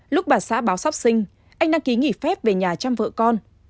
lúc bà xã báo sắp sinh anh đăng ký nghỉ phép về nhà chăm vợ con